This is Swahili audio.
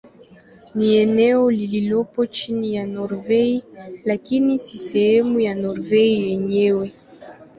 Ni eneo lililopo chini ya Norwei lakini si sehemu ya Norwei yenyewe.